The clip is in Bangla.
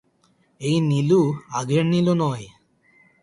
এই নীলু আগের নীলু নয়।